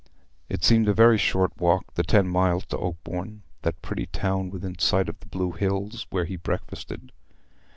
It seemed a very short walk, the ten miles to Oakbourne, that pretty town within sight of the blue hills, where he break fasted.